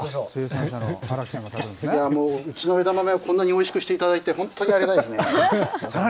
うちの枝豆をこんなにおいしくしていただいて、本当にありがたいですね。